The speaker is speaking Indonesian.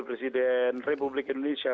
presiden republik indonesia